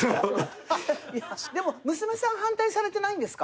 でも娘さん反対されてないんですか？